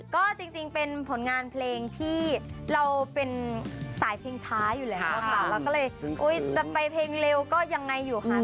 ก็จริงเป็นผลงานเพลงที่เราเป็นสายเพลงช้าอยู่แล้วค่ะเราก็เลยจะไปเพลงเร็วก็ยังไงอยู่ค่ะ